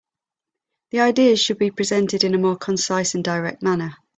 The ideas should be presented in a more concise and direct manner.